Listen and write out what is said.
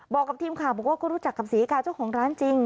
บอกกับทีมข่าวบอกว่าก็รู้จักกับศรีกาเจ้าของร้านจริง